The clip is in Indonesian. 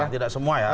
tidak semua ya